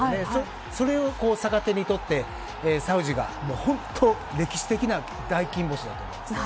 それを逆手にとってサウジが、本当に歴史的な大金星だと思います。